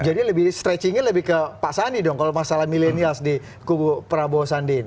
jadi lebih stretchingnya lebih ke pak andi dong kalau masalah milenial di kubu prabowo sandin